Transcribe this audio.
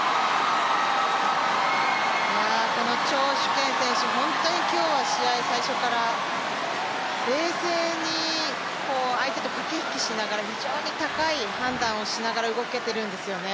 この張殊賢選手、本当に今日は試合最初から冷静に相手と駆け引きしながら非常に高い判断をしながら動けてるんですよね。